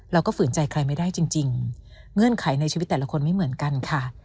ฝืนใจใครไม่ได้จริงเงื่อนไขในชีวิตแต่ละคนไม่เหมือนกันค่ะ